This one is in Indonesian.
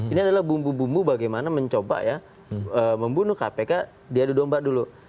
ini adalah bumbu bumbu bagaimana mencoba ya membunuh kpk diadu domba dulu